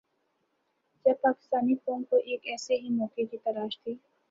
جب پاکستانی قوم کو ایک ایسے ہی موقع کی تلاش تھی۔